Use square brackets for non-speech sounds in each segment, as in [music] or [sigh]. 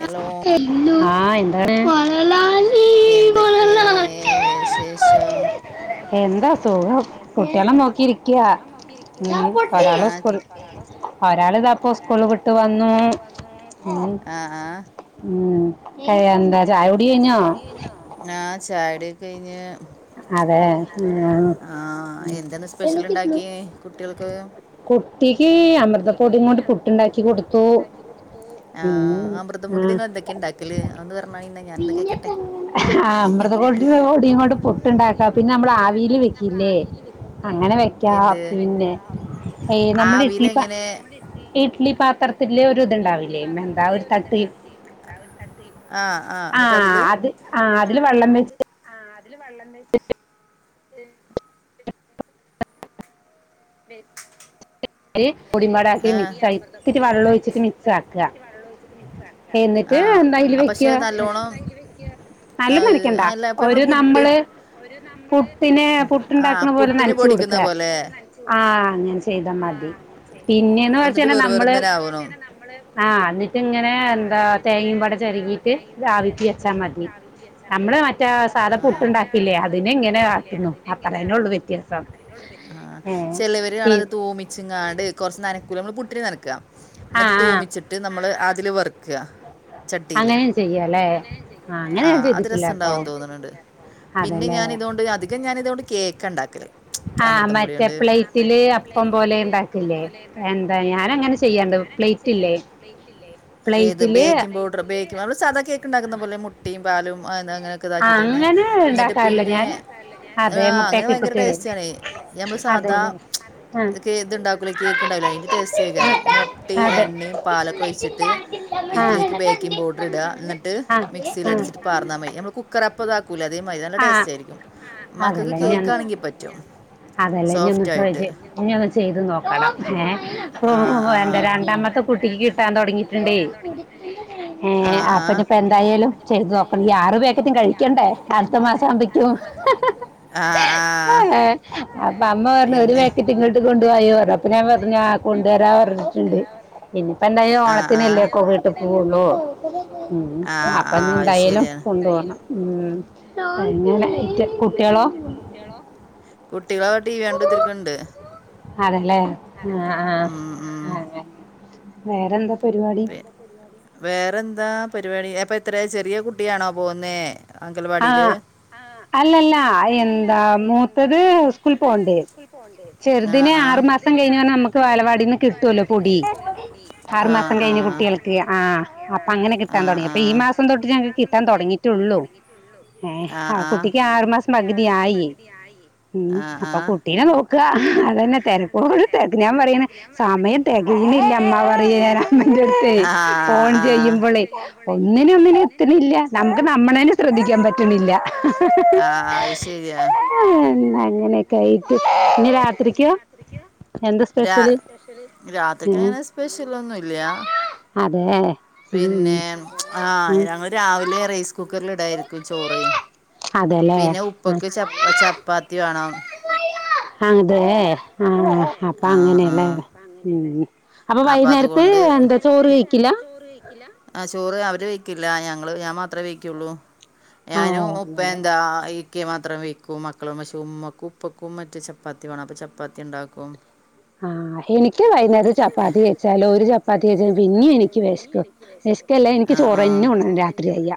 Hello.. ! എന്തൊക്കെ വെശേഷം? എന്താ സുഖം, കുട്ടിയാളെ നോക്കിയിരിക്ക്യ ഒരാള് സ്കൂളിൽ പോയി. [unintelligible] ഒരാള് ഇതാപ്പ സ്കൂള് വിട്ട് വന്നു ആഹ് ആഹ് ഉം ഹായ് എന്താ ചായ കുടി കഴിഞ്ഞോ? ആഹ് ചായുടിയൊക്കെ കയിഞ്ഞ് അതെ ആഹാ.. ! ആഹാ എന്തന്ന് സ്പെഷ്യൽ ണ്ടാക്കിയേ കുട്ടിയൾക്ക്? കുട്ടിക്ക് അമൃതപ്പൊടിം കൊണ്ട് പുട്ടുണ്ടാക്കി കൊടുത്തു ഉം. അമൃതം പൊടിയൊണ്ട് ങ്ങൾ എന്തൊക്കെ ഉണ്ടാക്കല്? അതൊന്ന് പറഞ്ഞാണി ന്നാ ഞാനൊന്ന് കേക്കട്ടെ. ആഹാ അമൃതംപൊടി കൊണ്ട് പുട്ട്ണ്ടാക്ക, പിന്നെ നമ്മള് ആവീല് വെക്കിലെ? ഇല്ലേ അങ്ങനെ വെക്കാ പിന്നെ ആഹാ നമ്മൾ ഇഡ്ലി പാ- ഇഡ്ലി പാത്രത്തില് ഒരു ഇതുണ്ടാവില്ലേ? എന്താ ഒരു തട്ട്. ആഹാ.. ! ആഹാ അത് ആഹാ അതില് വള്ളം വെച്ചിട്ട്. ആഹ് അതില് വെള്ളണ്ട് ഉഏ [unintelligible] ഉം ആഹ് [unintelligible] ആഹാ പക്ഷെ നല്ലോണം, അത് അല്ല അപ്പോ നമ്മള് പുട്ട്. ആഹാ പുട്ടിന് പൊടിക്കുന്ന പോലെ! ആഹാ അങ്ങനെ ചെയ്താ മതി, പിന്നെന്ന് വച്ചയ്നാ നമ്മള്, ആഹാ എന്നിട്ടങ്ങനെ എന്താ, തേങ്ങിമ്പാടെ ചെരകിട്ട് ആവിക്ക് വെച്ചാ മതി. നമ്മള് മറ്റേ ആഹാ സാധ- പുട്ടുണ്ടാക്കില്ലേ അതിനെ ഇങ്ങനെ കാട്ടുന്നു അത്രന്നെ ഉള്ളു വ്യത്യാസം. ആഹാ ചിലവര് കാണാ അത്, തൂമിച്ചിങ്ങാണ്ട് കുറച്ച് നനക്കൂലെ, നമ്മള് പുട്ടിന് നനക്കാ ന്നിട്ട് തൂമിച്ചിട്ട്. ന്നിട്ട് നമ്മള് ആതില് വർക്ക. ചട്ടിയില് അങ്ങനെൺ ചെയ്യലേ ആഹ് അത് രസണ്ടാവു തോൺണ്ട് പിന്നെ ഞാൻ ഇതൊട് അധികം ഞാൻ ഇതൊണ്ട് കേക്ക ഇണ്ടാക്കൽ അമൃതം പൊടിയൊണ്ട് പ്ലൈറ്റില് അപ്പം പോലെ ഉണ്ടാക്കില്ലേ എന്ത ഞ എന്താ ഞാൻ അങ്ങന ചെയ്യാണ്ട് പ്ലേറ്റില്ലേ ഏത് ബേക്കിംഗ് പൗഡർ ബേക്കിംഗ് നമ്മള് സാധാ കേക്ക് ഉണ്ടാക്കുന്ന പോലെ മു ട്ടീം പാലും അങ്ങനെക്കെ ഇതാക്കിട്ട് തന്നെ ന്നട്ട് പിന്നെ ആ അങ്ങനെ ഭയങ്കര ട്ടേസ്റ്റണ് നമ്മള് സാ അതെ ലെ കേ ഇതുണ്ടാക്കൂലെ കേക്ക് ഉണ്ടാവിലെ അയിന്റെ ടേസ്റ്റ് അയ്‌ക്കാരം മുട്ടിം എണ്ണി പാലൊക്കെ ഒയ്ചിട്ട് ഇതിലേക്ക് ബേക്കിംഗ് പൗഡർ ഇട ന്നട്ട് മിക്സിൽ അടിച്ചിട്ട് പാർന്ന മതി ഞമ്മള് കു [unintelligible] അതേമാതിരി നല്ല ടേസ്റ്റ് ആയിരിക്കും മക്കക്ക് കേക്കാണെങ്കി പറ്റും അതല്ലേ ഇഞ് ഒന്ന് ട്രൈ ഇഞ് ഒന്ന് ചെയ്ത് നോക്കണം ഏ എന്റെ രണ്ടാമത്തെ കുട്ടിക്ക് കിട്ടാൻ തുടങ്ങിയിട്ടുണ്ടേ എ അപ്പനിപ്പൊ എന്തായാലും ചെയ്തു നോക്കണം ഈ ആറ് പേക്കറ്റും കഴിക്യണ്ടേ അടുത്ത മാസം ആവുമ്പെക്കും അപ്പൊ അമ്മ പിന്നെ അമ്മ പറഞ്ഞ് ഒരു പാക്കറ്റ് ഇങ്ങോട്ട് കൊണ്ടു വായോ അപ്പം ഞാൻ പറഞ്ഞു കൊണ്ടുവരാ പറഞ്ഞു ഇനീപ്പോ എന്തായാലും ഓണത്തിനല്ലേ ക്കൊ വീട്ടിൽ പോവൂള്ളു അപ്പൊ എന്തായാലും കൊണ്ട് പോണം ഉം അങ്ങനെ കുട്ട്യളോ കുട്ടി ഓളേ കുട്ടികൾ അവ്ടെ ടീവി കണ്ട് കുത്തിരിക്ണ്ട് അതെ ല്ലേ ആഹ് ആഹ് വേറെന്താ പരിപാടി പരിപാടി വേറെന്താ പരിവാടി അപ്പൊ എത്ര ചെറിയ കുട്ടിയാണോ പോവുന്നേ അംഗൽവാടില് അല്ലല്ല എന്താ മൂത്തത് സ്കൂളിൽ പോവ്ണ്ട് പോണ്ടെ ആഹ് ആഹ് ചെറുദിനെ ആറുമാസം കഴിഞ്ഞാ നമുക്ക് ബാലവാടിന്ന് കിട്ടൊല്ലാ പൊടി ആഹ് കഴിഞ്ഞു കുട്ടികൾക്ക് ആ അപ്പൊ അങ്ങനെ കിട്ടാൻ തുടങ്ങി ഇപ്പൊ ഈ മാസം തൊട്ട് ഞങ്ങക്ക് കിട്ടാൻ തൊടങ്ങിട്ടുള്ളു ഏഹ് ആ കുട്ടിക്ക് ആറു മാസം പകുതി ആയി ഉം അപ്പൊ കുട്ടീനെ നോ ആഹ് അതന്നെ തെരക്കോട് തെരക്ക് ഞാൻ പറയണ സമയം തെകയിണില്ല മ്മ പറയെ [unintelligible] ഫോൺ ചെയ്യുമ്പളേ ഒന്നിന് ഒന്നിന് ത്തിണില്ല നമുക്ക് നമ്മളനേ ശ്രദ്ധിക്കാ പറ്റിണില്ല അങ്ങനെയൊക്കെ ആയിട്ട് ഇനി രാത്രിക്കോ രാ രാത്രിക്ക് അങ്ങനെ സ്പെഷ്യൽ ഒന്നുല്ല പിന്നെ ആഹ് ഞങ്ങള് രാവിലെ റൈ കുക്കറിലിടായിരിക്കും ചോറയ് പിന്നെ ഉപ്പക്ക് ചപ്പ ചപ്പാത്തി വാണം അതെ ആഹ് അപ്പാ അങ്ങനേല്ലേ ഉം അപ്പൊ വൈകുന്നേരത്ത് എന്താ ചോറ് കഴിക്കില്ല ആ ചോറ് അവര് വയ്ക്കില്ല ഞങ്ങള് ഞാൻ മാത്രെ വയ്ക്കൊള്ളൂ ഞാനും ഉപ്പേം എന്താ ഈ ക്കെ മാത്രം വയ്ക്കും മക്കളും മശുവുംഉമ്മക്കും ഉപ്പക്കും മറ്റു ചപ്പാത്തി വേണം അപ്പ ചപ്പാത്തി ഉണ്ടാക്കും ആഹ് എനിക്ക് വൈന്നേരം ചപ്പാത്തി വെച്ചാലോ ഒരു ചപ്പാത്തി കഴിച്ചും പിന്നിം എനിക്ക് വെശ്ക്കും വെശ്ക്കല്ലാ എനിക്ക് ചോറന്നേ വേണം രാത്രിയായ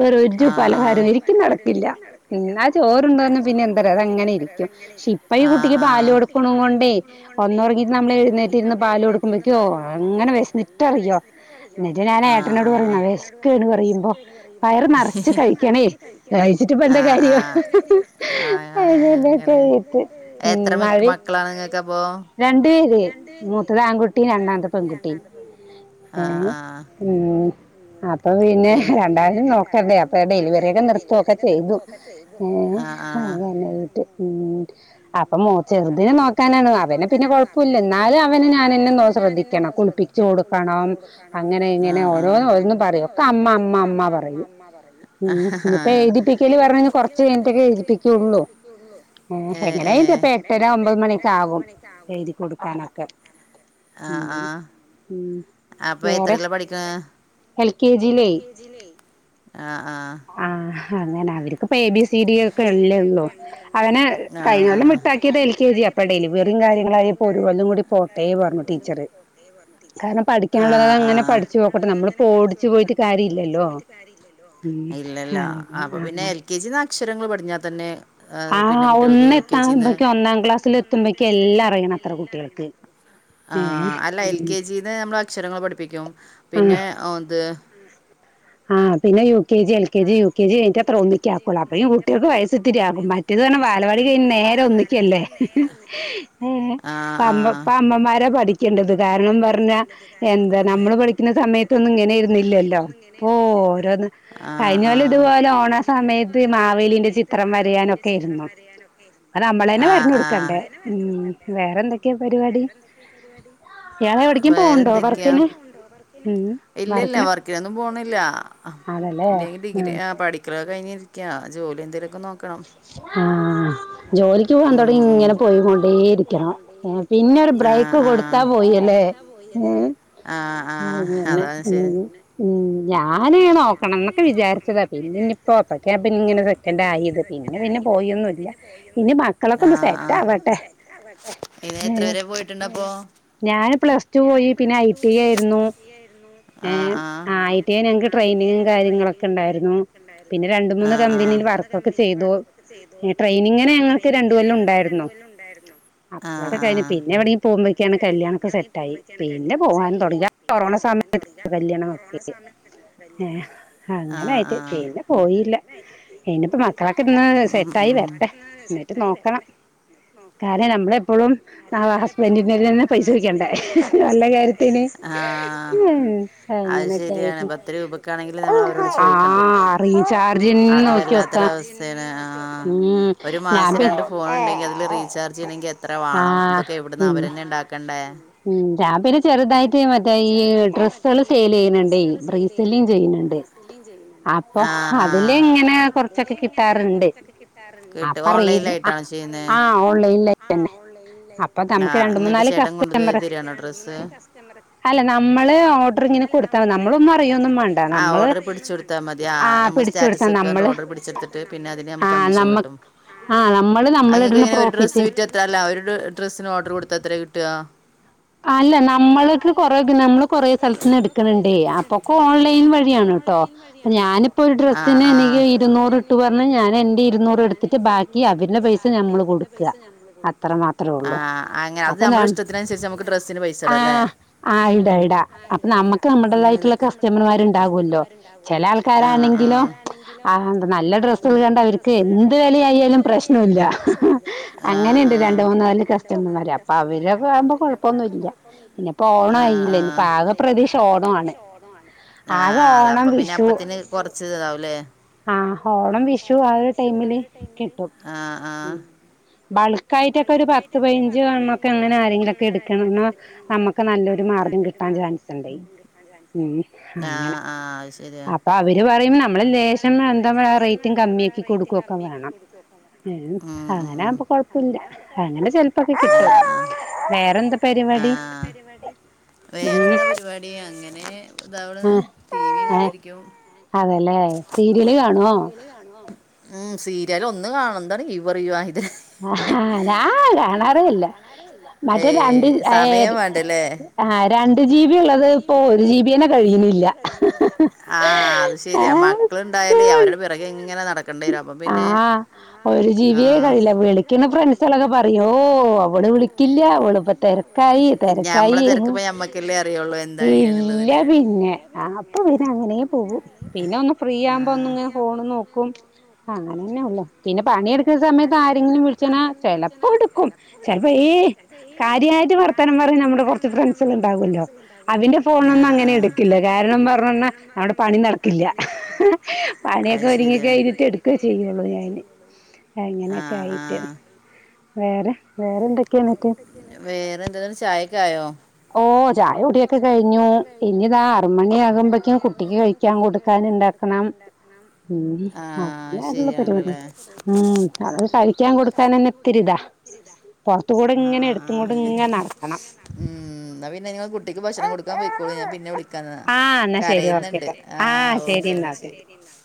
വേറൊരു പലഹാരം എനിക്ക് നടക്കില്ല ഉം ആ ചോറണ്ടോന്ന പിന്നെ എന്തറിയോ അത് അങ്ങനെ ഇരിക്കും ക്ഷ ഇപ്പൊ ഈ കുട്ടിക്ക് പാല് കൊടുക്കുണുകൊണ്ടയ് ഒന്ന് ഒറങ്ങിട്ട് നമ്മൾ എഴുന്നേറ്റു ഇര് പാല് കൊടുക്കുമ്പോക്കോ അങ്ങനെ വെശ്ന്നിട്ടറിയോ ന്നിട്ട് ഞാൻ ഏട്ടനോട് പറയും വെശ്ക്ക്ണ്ട് പറയുമ്പോ വയറ് നിറച്ച് കഴിക്കണേ കഴിച്ചിട്ടിപ്പൊ എന്താ കാര്യം [unintelligible] ഉം മ [unintelligible] രണ്ട്ആ് രണ്ടു പേര് മൂത്തത് ആൺകുട്ടി രണ്ടാത്തെ പെൺകുട്ടി ആഹ് ആഹ് അപ്പൊ പിന്നെ രണ്ടാളിനും നോക്കണ്ടേ അപ്പൊ ഡെലിവറിന്നെ ഒക്കെ നിർത്തൊക്കെ ചെയ്തു ഏഹ് അത് നന്നായിന്ന്ട്ട് ഉം അപ്പൊ മൂ ചെറുതിനെ നോക്കാനാണ് അവനെ പിന്നെ കുഴപ്പ് ഇവനെ പിന്നെ കൊഴപ്പൊല്ല ഇന്നാലും അവനെ ഞാനെന്ന നോ ശ്രദ്ധിക്കണം കുളിപ്പിച്ച് കൊടുക്കണം ആഹ് ആഹ് പിന്നെ ഇങ്ങനെ ഓര് ഓരോന്ന് ഓരോന്ന് പറയും ഒക്കെ അമ്മ അമ്മ അമ്മ പറയും ഹഹാഹാ ആഹ് എഴുതിപ്പിക്കല് പറഞ്ഞു കഴിഞ്ഞ കൊറച്ച് കഴി എഴുതിപ്പിക്കൊള്ളൂ ഏഹ് എങ്ങനെയാലും പ്പ എട്ടര ഒമ്പത് മണിക്കെ ആകും എഴുതി കൊടുക്കാനൊക്കെ ഉം ഉം വേറെ എൽ കെ ജിയിലേയ് ജിലേയ് ആഹ് ആഹ് ആഹ് അങ്ങനെ അവർക്കിപ്പ എ ബി സി ഡിയൊക്കെ അല്ലേ ഉള്ളൂ അവനെ കൈനൊല്ലം വിട്ടാക്കിയത് എൽ കെ ജിയാ അപ്പൊ ഡെലിവറിം കാര്യങ്ങളായി ഇനിപ്പോ ഒരു കൊല്ലം കൂടി പോട്ടേ പറഞ്ഞു ടീച്ചറ് കാരണം പഠിക്കാനുള്ളതങ്ങനെ പഠി ചോക്കട്ടെ നമ്മളിപ്പോ ഓടിച്ചു പോയിട്ട് കാര്യല്ലല്ലോ ഉം അങ്ങനെ ആഹ് ആഹ് കെ ജിന്ന് അക്ഷരങ്ങള് പഠിഞ്ഞാതന്നെ പിന്നെ കുട്ടികൾക്ക് യു കെ ജിന്ന് ത്തുമ്പേക്ക്എല്ലാം അറിയണത്രെ കുട്ട്യാൾക്ക് ആഹ് അല്ല എൽ കെ ജിന്ന് നമ്മള് അക്ഷരങ്ങൾ പഠിപ്പിക്കും പിന്നെ ഓ ന്ത് ആഹ് പിന്നെ U K G L K G U K G കഴിഞ്ഞിട്ടത്ര ഒന്നിക്കാക്കാെള്ളൂ അപ്പൊഴും കുട്ട്യാൾക്ക് വയസ്ത്തിരിയാകും മര് റ്റേത് അർഞ്ഞാ വാലവാടി കഴിഞ്ഞ് നേരെ ഒന്നിക്കല്ലേ ഉം ഇപ്പമ്മ ഇപ്പൊ അമ്മമാരാ പഠിക്കേണ്ടത് കാരണം പറഞ്ഞാ എന്താ നമ്മള് പഠിക്ക്ന്ന സമയത്തൊന്നും ഇങ്ങനേയ്രിന്നില്ലല്ലോ ഓഹ് ഓരോന്ന് കഴിഞ്ഞ കൊല്ലം ഇതുപോലെ ഓണ സമയത്ത് മാവേലിന്റെ ചിത്രം വരയാനൊക്കെയ്രുന്നു അത് നമ്മളെന്നെ വരഞ്ഞൊടുക്കണ്ടേ ഉം വേറെന്തൊക്കെ പരിപാടി ഇയാളെവ്ടക്ക് പോണ്ണ്ണ്ടോ വർക്കിന് ഉം വർക്കിന് ക്കിനൊന്നും പോണില്ല ന്തെങ്കി ഡിഗ്രി ആഹ് പഠിക്കണ കഴിഞ്ഞിരിക്കാ ജോലി എന്തെേലൊക്കെ നോക് ക്കണം ആഹ് ജോലിക്ക് പോവാൻ തൊടങ്ങിങ്ങനെ പോയികൊണ്ടേ ഇരിക്കണം. ഓൻ പിന്നെ ഒരു ബ്രേക്ക് കൊടുത്താ പോയിലല്ലേ ഏഹ് [unintelligible] ഉം ഞാന് നോക്കണന്നൊക്കെ വിചാരിച്ചതാ പിന്നെ ഞ്ഞിപ്പോ. [unintelligible] പിന്നെപിന്നെ പോയൊന്നുംല്ല ഇനി മക്കളൊക്കെ ഒന്ന് സെറ്റ് ആവട്ടെ. [unintelligible] ഇവനെത്ര വരെ പോയിട്ടുണ്ടപ്പോ ഞാന് പ്ലസ് ടു പോയി പിന്നെ ഐ ടി ആയിരുന്നു ഏഹ് ആയി ട്ടിയ ഞങ്ങൾക്ക് ട്രെയിനിങ്ങും കാര്യങ്ങളൊക്കെണ്ടായിരുന്നു പിന്നെ രണ്ട് മൂന്ന് കമ്പനിയിൽ വർക്കും പിന്നെയിന്റെ വർക്കൊക്കെ ചെയ്തു ട്രെയിനിങ്ങനെ ഞങ്ങൾക്ക് രണ്ടു കൊല്ലം ഉണ്ടായിരുന്നു അപ്പോളൊക്കെ കഴിഞ്ഞു പിന്നെ എവിടേം പോമ്പോഴക്കാണ് കല്യാണൊക്കെ സെറ്റായി പിന്നെ പോവാൻ തൊടല്ല്യ കൊറോണ സമയത്ത് കല്യാണം ഒക്കെ ആയത് ഏഹ് അങ്ങനെയിട്ട് പിന്നെ പോയില്ല ഇനിപ്പ മ മക്കളൊക്കെന്ന് സെറ്റായി വരട്ടെ ന്നിട്ട് നോക്കണം കാരണം നമ്മളെപ്പോഴും ആഹ് ഹസ്ബന്റിന്റെൽനിന്ന് പൈസ ചോയ്കണ്ടെ സ്വന്തം കാര്യത്തിന് [unintelligible] അങ്ങനെയൊക്കെ [unintelligible] അഹ് റീചാർജിന് നോക്കി നോക്കാ തെന്നെ ആഹ് ആഹ് ഒരു മാസം രണ്ട് ഫോൺണ്ടെങ്കിൽ അതിൽ റീചാർജ് ചെയ്യണങ്കി എത്ര വാണം ഇതൊക്കെ എവിടുന്ന് അവരെന്നെ ഉണ്ടാ ക്കണ്ടേ ഉം ഞാൻ പിന്നെ ചെറുതായിട്ട് മറ്റേ ഈ ഡ്രസ്സേള് സെയിൽ ചെയ്യ്ണ് ണ്ട് ഇ ബ്രയ്സിലിം ചെയ്യുന്നുണ്ട് അപ്പൊ അതില് ഇങ്ങനെ കൊറച്ചൊക്കെ കിട്ടാറുണ്ട്. അപ്പവറേജ് അഹ് ആഹ് ഓൺലൈൻ തന്നെ അപ്പൊ നമുക്ക് രണ്ട് മൂന്നാല് കസ്റ്റമർ അല്ല നമ്മള് ഓർഡർ ഇങ്ങനെ കൊടു- നമ്മളൊന്നും അറിയോൊന്നും മാണ്ട നമ്മള് ആഹ് പിടിച്ച്‌ കൊടുത്താ നമ്മള് ത് പിന്നെ അതിനെ നമ്മക്ക് കമ്മീഷൻ കിട്ടും ആഹ് നമ ആഹ് ഇങ്ങക്ക് ഒരു ഡ്രസ്സ് വിറ്റാ എ അതല്ല ഒരു ഡ്രസ്സിന് ഓർഡർ കൊടുത്താത്രേ കിട്ടാ അല്ല നമ്മള്ക്ക് കൊറെ പിന്നെനമ്മള് കൊറെ സ്ഥലത്ത് ഇന്നെടുക്ക്ണിണ്ടേ അപ്പൊക്കെ ഓൺലൈൻ വഴിയാണ് ഞാനിപ്പോ ഒരു ഡ്രസ്സിന് എനിക്ക് ഇരുന്നൂറ് [unintelligible] പറഞ്ഞ ഞാൻ എന്റെ ഇരുന്നൂറ് എടുത്തിട്ട് ബാക്കി അവര് പിന്നെ പൈസ ഞമ്മൾ കൊടുക്ക അത്ര മാത്രേ ഉള്ളൂ അപ്പൊന്ത [unintelligible] നമ്മുക്ക് ഡ്രസ്സിന് പൈസ ആഹ് ആഹ് ഇടാ ഇടാ അപ്പൊ നമ്മക്ക് നമ്മുടെതായിട്ടുള്ള കസ്റ്റമർമാരുണ്ടാകുവല്ലോ ചെല ആൾക്കാരാണെങ്കിലോ ആഹ് നല്ല ഡ്രസ്സൊകണ്ട അവര്ക്ക് എന്ത് വെല ആയാലും പ്രശ്നൊവില്ല പ്രശ്നോവില്ല ആഹ് ആഹ് അങ്ങനെണ്ട് രണ്ട് മൂന്നാല് കസ്റ്റമ്മര് അപ്പോ അവരെ ഇപ്പൊന്നുംല്യ ഇനിപ്പോ ഓണായില്ലെ ഇനിപ്പോ ആകെ പ്രതീക്ഷ ഓണൊ വാണ് ആഹ് ആഹ് അപ്പൊ പിന്നെ അപ്പത്തിന് കൊറച്ച് താവൂലെ ആഹ് ഹോളം വിഷു ആ ഒരു ടൈമില് കിട്ടും ഉഹ് ബൾക്കായിട്ടൊക്കെ ഒരു പത്ത് പയ്നഞ്ച് എണ്ണൊക്കെ അങ്ങനെ ആരെങ്കിലൊക്കെ എടു കിണന്നാ നമ്മക്ക് നല്ലൊരു മാർഗം കിട്ടാൻ ചാൻസ് ഇണ്ടയ് അങ്ങനെ അപ്പൊ അവര് പറയും നമ്മള് ലേശം ന്നെന്താപറയ് റേറ്റും കമ്മിയാക്കി കൊടുക്കുവൊ [unintelligible] വേണം ഏഹ് അങ്ങനെ ആവുമ്പൊ കൊഴ [unintelligible] അങ്ങനെ ചെൽപ്പോക്കെ കിട്ടും വേറെന്തപ് ആഹ് എന്ത പര് വാടി വേറെ എന്താ പരിപാടി അങ്ങനെ താവിണ് ടിവിയും കണ്ടിരിക്ക അതെലേ സീരിയല് കാണോ? ഉഹ് സീരിയല് ഒന്ന്കാണു ന്താണ് ഇവർ വിവാഹിതർ ആഹ് ഞാൻ കാണാറേയില്ല മറ്റേ രണ്ടിൽ ഏത് ആഹ് രണ്ട് ജിബി ഉള്ളത് ഇപ്പൊ ഒരുജി ബിയെന്നെ കഴിയുന്നില്ല മക്കളുണ്ടായാലെ അവരുടെ പിറകെ ഇങ്ങനെ നടക്കേണ്ടിവരും ആഹ് ഒരു ജീവിയേ കഴിയില്ല വിളി [unintelligible] ഫ്രണ്ട്സാളൊക്കെ പറയും ഓഹ് അവള് വിളിക്കില്യ അവള്പ്പോ തെര കൈ തിരക്കായി ഇല്ല്യ പിന്നെ ആഹ് അപ്പൊ പിന്നെ അങ്ങനെയെ പോകും പിന്നെ ഒന്ന് ഫ്രീ ആമ്പോന്നി ങ്ങ ഫോണ് നോക്കും ആഹ് അങ്ങനന്നെള്ളു പിന്നെ പണിയെടുക്കുണ സമയത്ത് ആരെങ്കിലും വിളിച്ചിനാ ചെലപ്പോ എടുക്കും ചെലപ്പോ ഏയ് കാര്യായിട്ട് വർത്തനം പറയ്ണനമ്മടെ കുറച്ച് ഫ്രണ്ട്സ്കള്ണ്ടാവല്ലോ അവന്റെ ഫോണൊന്നും അങ്ങനെ എടു ഇല്ല കാരണം പറഞ്ഞന്ന അവ്ടെ പണി നടക്കില്യ പണിയൊക്കെ ഒരുങ്ങി കയ്ഞ്ഞി വീങ്ങികഴിഞ്ഞ്ട്ട എടുക്ക ചെയ്യുന്നൊള്ളോ അങ്ങനെയൊക്കെ ആയിട്ട് വേറെ വേറെന്തൊക്കെയാണ് ഇന്നിട്ട് വേറെ എന്തെങ്കിലും ചായൊക്കെ ആയോ? ഓഹ് ചായ കുടിയൊക്കെ കഴിഞ്ഞു ഇനിതാ അറുമണിയാകുമ്പക്കും കുട്ടിക്ക് കഴിക്കാൻ കൊടുക്കാനുണ്ടാക്ക ഉം അങ്ങനെയ്ള്ള പരിപാടി ഉം അവര് കഴിക്കാൻ കൊടുക്കാനന്നെ ത്തിരിതാ പുറത്ത്കൂട്ങ്ങനെ എടുത്തും കൊണ്ട്ങ്ങനെ നടക്കണം ഉം ന്നാ പിന്നെ നിങ്ങൾ കുട്ടിക്ക് ഭക്ഷണം കൊടുക്കാൻ പൊയ്ക്കൊളി ഞാൻ പിന്നെ വിളി [unintelligible] കരയുന്നുണ്ട് ആഹ് ഓക്കേ എന്നാ ശരി